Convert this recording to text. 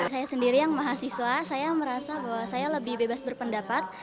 saya sendiri yang mahasiswa saya merasa bahwa saya lebih bebas berpendapat